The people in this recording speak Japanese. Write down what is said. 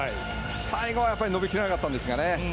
最後は伸び切らなかったんですかね。